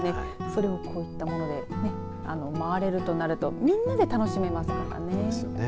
それをこういったもので回れるとなるとみんなで楽しめますからね。